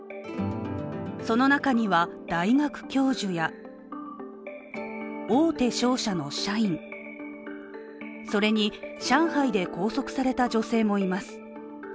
その中には大学教授や大手商社の社員、それに、上海で拘束された女性もいます。